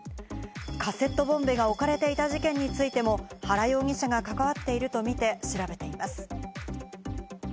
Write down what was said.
カセットボンベが置かれていた事件についても原容疑者が関わっているとみて調べています。